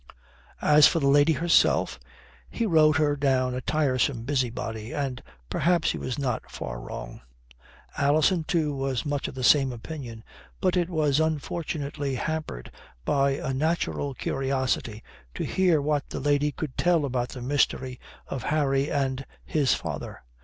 As for the lady herself, he wrote her down a tiresome busybody and perhaps he was not far wrong. Alison too was much of the same opinion, but it was unfortunately hampered by a natural curiosity to hear what the lady could tell about the mystery of Harry and his father.